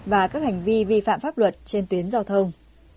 và các hành vi vi phạm pháp luật trên tuyến giao thông